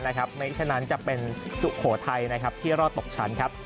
เพราะฉะนั้นจะเป็นสุโขทัยที่รอดตกชั้นครับ